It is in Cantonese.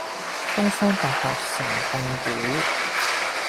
東方大學城控股